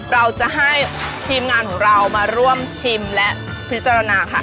เราจะให้ทีมงานของเรามาร่วมชิมและพิจารณาค่ะ